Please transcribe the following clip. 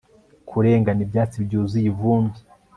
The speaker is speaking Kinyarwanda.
kurengana, ibyatsi byuzuye ivumbi